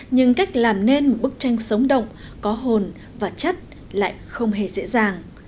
nhưng cách làm nên một bức tranh sống động có hồn và chất lại không hề dễ dàng